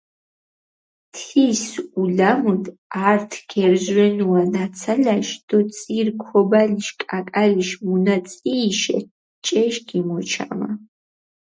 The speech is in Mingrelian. თის ულამუდჷ ართ გერზვენუა ნაცალაშ დო წირ ქობალიშ კაკალიშ მუნაწიიშე ჭეშ გიმოჩამა.